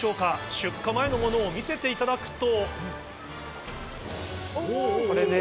出荷前のものを見させていただくと。